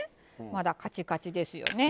まだカチカチですよね。